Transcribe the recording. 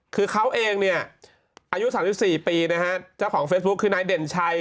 คือเขาเองเนี่ยอายุ๓๔ปีนะฮะเจ้าของเฟซบุ๊คคือนายเด่นชัย